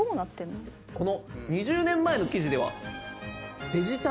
この２０年前の記事では。